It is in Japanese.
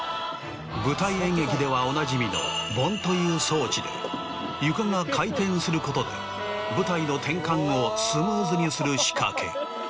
舞台演劇ではおなじみの盆という装置で床が回転することで舞台の転換をスムーズにする仕掛け。